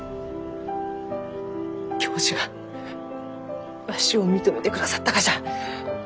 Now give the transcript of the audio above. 教授がわしを認めてくださったがじゃ！